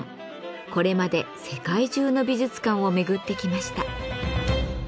これまで世界中の美術館を巡ってきました。